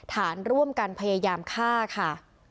ฐานร่วมกันพยายามฆ่าค่ะ